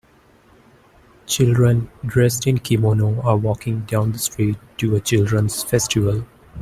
children dressed in kimono are walking down the street to a children 's festival.